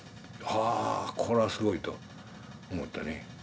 はあこれはすごいと思ったね。